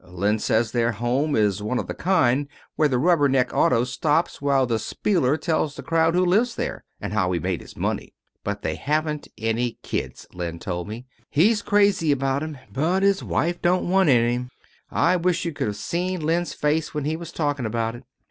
Len says their home is one of the kind where the rubberneck auto stops while the spieler tells the crowd who lives there, and how he made his money. But they haven't any kids, Len told me. He's crazy about 'em. But his wife don't want any. I wish you could have seen Len's face when he was talking about it."